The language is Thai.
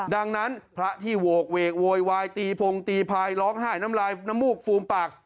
ดังนั้นพระที่โหกเวกโวยวายตีพงตีพายร้องไห้น้ำลายน้ำมูกฟูมปาก